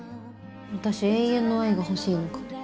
私永遠の愛が欲しいのかも。